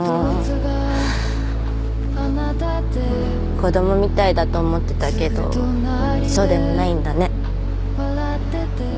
子供みたいだと思ってたけどそうでもないんだね。